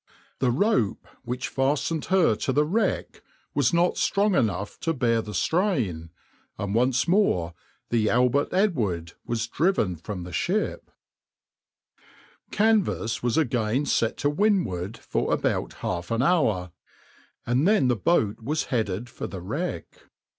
The rope which fastened her to the wreck was not strong enough to bear the strain, and once more the {\itshape{Albert Edward}} was driven from the ship.\par Canvas was again set to windward for about half an hour, and then the boat was headed for the wreck.